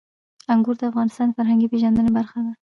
انګور د افغانانو د فرهنګي پیژندنې برخه ده.